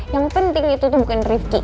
yang penting itu tuh bukan rifki